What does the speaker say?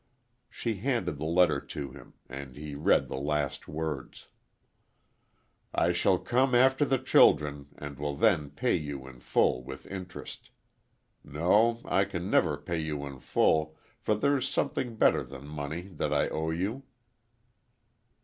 She handed the letter to him, and he read the last words: "'I shall come after the children and will then pay you in full with interest. No, I can never pay you in full, for there's something better than money that I owe you.'"